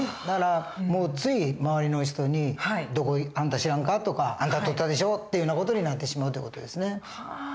だからつい周りの人に「あんた知らんか？」とか「あんたとったでしょう」というような事になってしまうという事ですね。